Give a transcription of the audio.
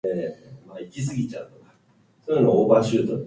青い空、綺麗な湖